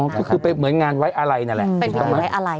อ๋อก็คือเป็นเหมือนงานไว้อะไรนั่นแหละเป็นวิวไว้อะไรใช่ค่ะ